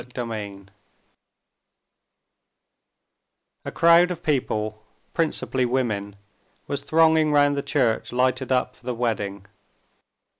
Chapter 3 A crowd of people, principally women, was thronging round the church lighted up for the wedding.